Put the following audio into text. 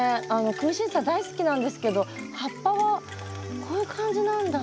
クウシンサイ大好きなんですけど葉っぱはこういう感じなんだ。